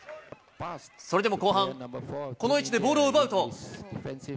それでも後半、この位置でボールを奪うと。